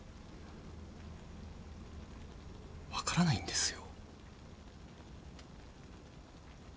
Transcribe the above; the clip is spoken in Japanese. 分からないんですよ。